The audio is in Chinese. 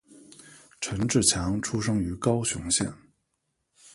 陈志强出生于高雄县。